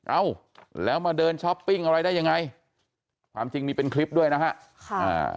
เอ้าแล้วมาเดินช้อปปิ้งอะไรได้ยังไงความจริงมีเป็นคลิปด้วยนะฮะค่ะอ่า